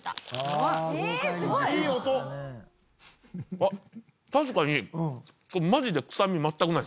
あっ確かに。